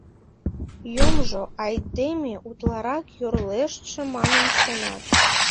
Йомжо, айдеме утларак йорлештше манын шонат...